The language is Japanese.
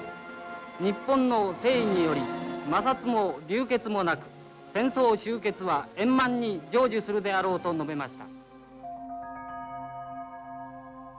日本の誠意により摩擦も流血もなく戦争終結は円満に成就するであろうと述べました」。